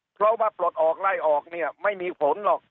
เพราะว่าปลดออกไล่ออกเนี่ยไม่มีผลหรอก